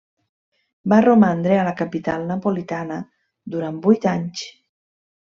Va romandre a la capital napolitana durant vuit anys.